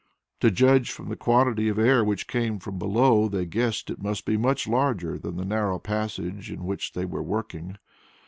To judge from the quantity of air which came from below they guessed it must be much larger than the narrow passage in which they were working.